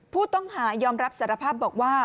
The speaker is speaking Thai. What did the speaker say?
ผู้ต้องหายอมรับสารภาพบอกว่า